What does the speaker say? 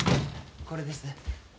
これです。